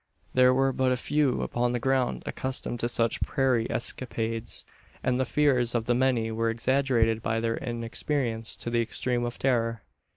There were but few upon the ground accustomed to such prairie escapades; and the fears of the many were exaggerated by their inexperience to the extreme of terror.